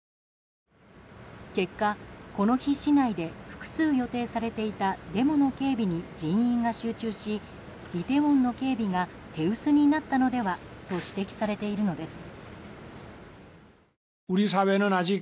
結果、この日市内で複数予定されていたデモの警備に人員が集中しイテウォンの警備が手薄になったのではと指摘されているのです。